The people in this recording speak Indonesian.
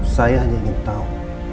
saya hanya ingin tahu